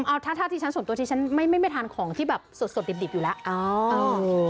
เอาถ้าที่ฉันส่วนตัวที่ฉันไม่ทานของที่แบบสดดิบอยู่แล้ว